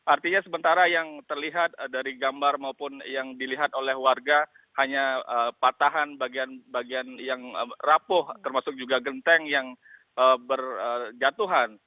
artinya sementara yang terlihat dari gambar maupun yang dilihat oleh warga hanya patahan bagian bagian yang rapuh termasuk juga genteng yang berjatuhan